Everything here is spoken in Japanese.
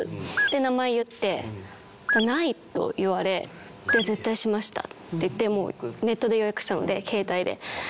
名前言って「ない」と言われ「絶対しました」って言ってネットで予約したので携帯で。